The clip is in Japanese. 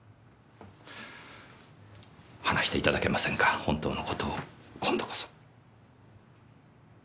話していただけませんか本当の事を今度こそ。